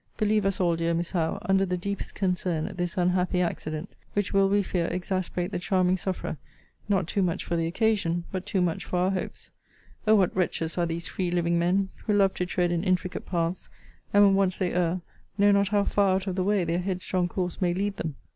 Believe us all, dear Miss Howe, under the deepest concern at this unhappy accident; which will, we fear, exasperate the charming sufferer; not too much for the occasion, but too much for our hopes. O what wretches are these free living men, who love to tread in intricate paths; and, when once they err, know not how far out of the way their headstrong course may lead them!